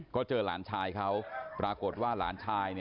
ก็เจอหลานชายเขาปรากฏว่าหลานชาย